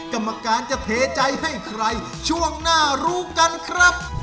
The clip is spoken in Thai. กรรมการจะเทใจให้ใครช่วงหน้ารู้กันครับ